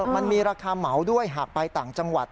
มันมีราคาเหมาด้วยหากไปต่างจังหวัด